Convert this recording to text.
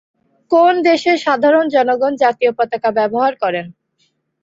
কোন দেশের সাধারণ জনগণ জাতীয় পতাকা ব্যবহার করেন।